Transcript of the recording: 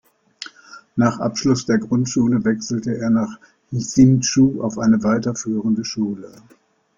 Nach Abschluss der Grundschule wechselte er nach Hsinchu auf eine weiterführende Schule.